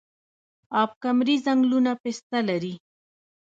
اب کمري ځنګلونه پسته لري؟